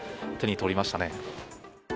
手に取りましたね。